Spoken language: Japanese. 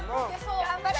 頑張れ！